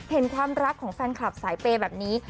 เห็นความรักของแฟนคลับสายเปย์แบบนี้